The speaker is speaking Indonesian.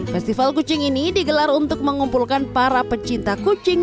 festival kucing ini digelar untuk mengumpulkan para pecinta kucing